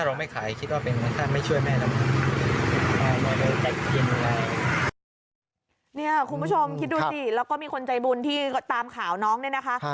คุณผู้ชมคิดดูสิแล้วก็มีคนใจบุญที่ตามข่าวน้องเนี่ยนะคะ